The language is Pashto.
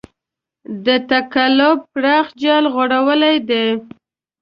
د تقلب پراخ جال غوړولی دی.